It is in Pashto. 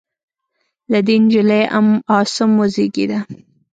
له دې نجلۍ ام عاصم وزېږېده.